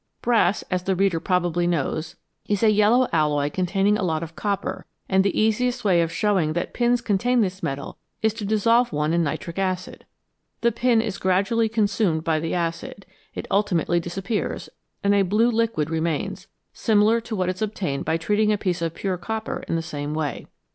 Brass, as the reader probably knows, is a yellow alloy containing a lot of copper, and the easiest way of showing that pins contain this metal is to dissolve one in nitric acid. The pin is gradually consumed by the acid, it ultimately disappears, and a blue liquid remains, similar to what is obtained by treating a piece of pure copper in the same way.